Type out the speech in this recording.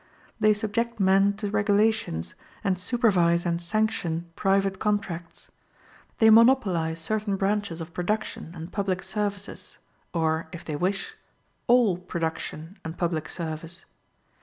They subject men to regulations, and supervise and sanction private contracts. They monopolize certain branches of production and public services, or, if they wish, all production and public service.